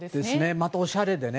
またおしゃれでね。